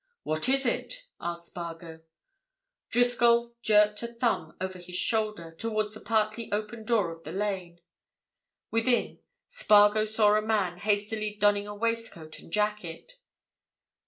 "What is it?" asked Spargo. Driscoll jerked a thumb over his shoulder, towards the partly open door of the lane. Within, Spargo saw a man hastily donning a waistcoat and jacket.